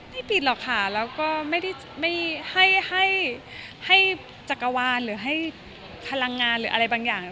ไม่ปิดหรอกค่ะแล้วก็ไม่ได้ให้จักรวาลหรือให้พลังงานหรืออะไรบางอย่าง